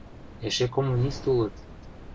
Эше коммунист улыт...